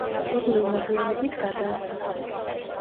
ოდნავ მოგვიანებით გადაასახლეს.